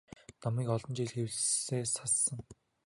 Номыг нь олон жил хэвлэлээс хассан.